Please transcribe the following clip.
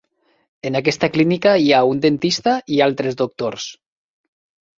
En aquesta clínica hi ha un dentista i altres doctors.